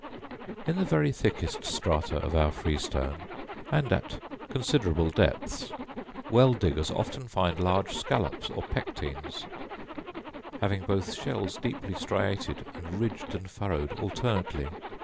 In the very thickest strata of our freestone, and at considerable depths, well diggers often find large scallops or pectines, having both shells deeply striated, and ridged and furrowed alternately.